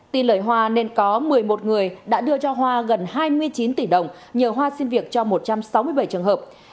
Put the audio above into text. tin lời hoa nên có một mươi một người đã đưa cho hoa gần hai mươi chín tỷ đồng nhờ hoa xin việc cho một trăm sáu mươi bảy trường hợp